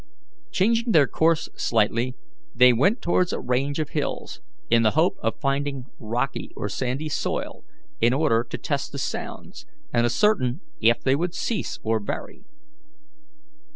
Changing their course slightly, they went towards a range of hills, in the hope of finding rocky or sandy soil, in order to test the sounds, and ascertain if they would cease or vary.